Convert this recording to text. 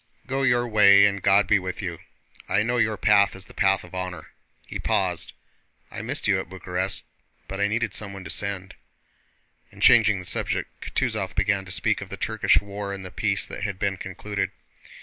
"Go your way and God be with you. I know your path is the path of honor!" He paused. "I missed you at Bucharest, but I needed someone to send." And changing the subject, Kutúzov began to speak of the Turkish war and the peace that had been concluded.